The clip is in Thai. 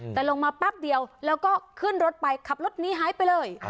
แต่ลงมาแป๊บเดียวแล้วก็ขึ้นรถไปขับรถนี้หายไปเลย